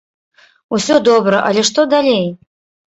Усё добра, але што далей?